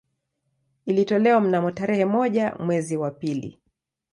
Ilitolewa mnamo tarehe moja mwezi wa pili